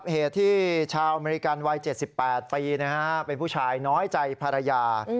เหตุที่ชาวอเมริกันวัย๗๘ปีเป็นผู้ชายน้อยใจภรรยา